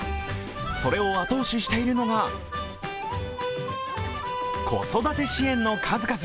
それを後押ししているのが子育て支援の数々。